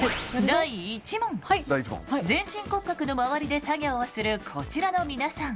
第１問全身骨格の周りで作業をするこちらの皆さん